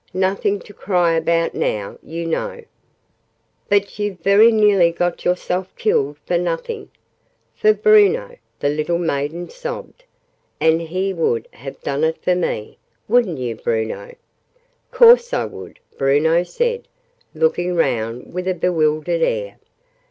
"Nothing to cry about now, you know. But you very nearly got yourself killed for nothing!" "For Bruno!" the little maiden sobbed. "And he would have done it for me. Wouldn't you, Bruno?" "Course I would!" Bruno said, looking round with a bewildered air.